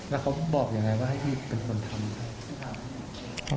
แล้วเขาบอกยังไงว่าให้พี่เป็นคนทำให้